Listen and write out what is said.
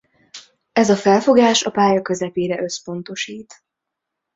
Ez a felfogás a pálya közepére összpontosít.